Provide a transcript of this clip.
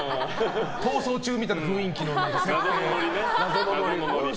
「逃走中」みたいな雰囲気の設定。